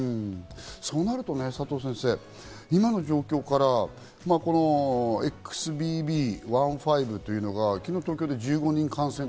そうなると佐藤先生、今の状況からＸＢＢ．１．５というのが昨日、東京で１５人感染。